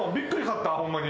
ホンマに。